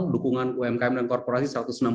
dukungan umkm dan korporasi satu ratus enam puluh